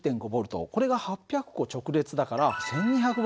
これが８００個直列だから１，２００Ｖ。